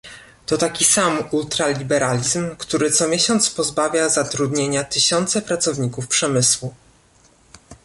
To taki sam ultraliberalizm, który co miesiąc pozbawia zatrudnienia tysiące pracowników przemysłu